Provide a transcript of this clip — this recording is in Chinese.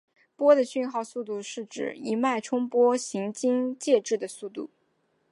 波的讯号速度是指一脉冲波行经介质的速度。